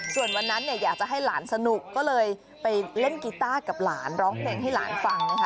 ส่วนวันนั้นเนี่ยอยากจะให้หลานสนุกก็เลยไปเล่นกีต้ากับหลานร้องเพลงให้หลานฟังนะคะ